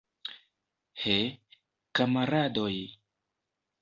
He, kamaradoj!